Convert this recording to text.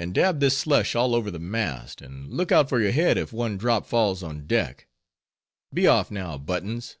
—and dab this slush all over the mast, and look out for your head if one drop falls on deck. Be off now, Buttons."